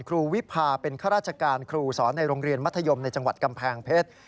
ครูวิพาเป็นข้าราชการครูสอนในโรงเรียนมัธยมในจังหวัดกำแพงเพชร